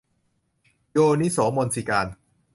โยนิโสมนสิการ